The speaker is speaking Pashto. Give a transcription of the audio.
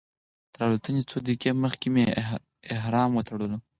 تر الوتنې څو دقیقې مخکې مې احرام وتړلو.